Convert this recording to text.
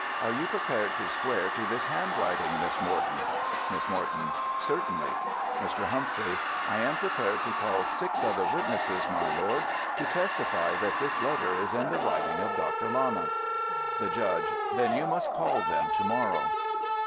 Are you prepared to swear to this handwriting, Miss Morton? Miss Morton: Certainly. Mr. Humphrey: I am prepared to call six other witnesses, my lord, to testify that this letter is in the writing of Doctor Lana. The Judge: Then you must call them to morrow.